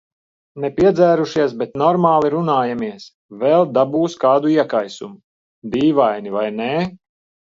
Ne piedzērušies, bet normāli runājamies. Vēl dabūs kādu iekaisumu. Dīvaini vai nē.